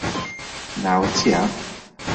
ناوت چییە؟